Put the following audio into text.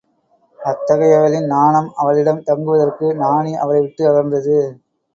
அத்தகையவளின் நாணம் அவளிடம் தங்குவதற்கு நாணி அவளை விட்டு அகன்றது.